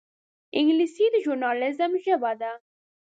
انګلیسي د ژورنالېزم ژبه ده